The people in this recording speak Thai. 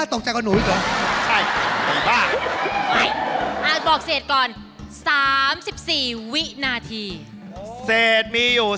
เท่าไหร่